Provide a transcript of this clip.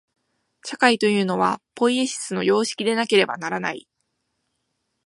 社会というのは、ポイエシスの様式でなければならない。